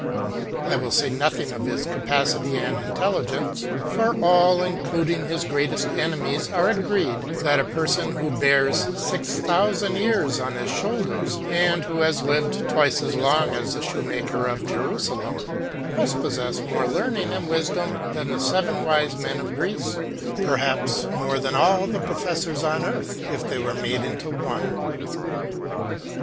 I will say nothing of his capacity and intelligence; for all, including his greatest enemies, are agreed that a person who bears six thousand years on his shoulders, and who has lived twice as long as the Shoemaker of Jerusalem, must possess more learning and wisdom than the seven wise men of Greece, perhaps more than all the professors on earth if they were made into one.